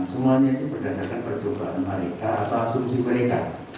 semuanya itu berdasarkan percobaan mereka atau asumsi mereka